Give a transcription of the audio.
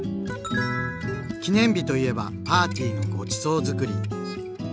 記念日といえばパーティーのごちそうづくり。